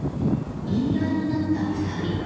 言い合いになった２人。